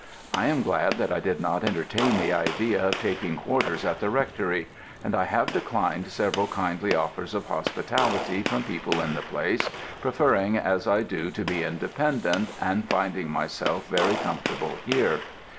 I am glad that I did not entertain the idea of taking quarters at the Rectory; and I have declined several kindly offers of hospitality from people in the place, preferring as I do to be independent, and finding myself very comfortable here.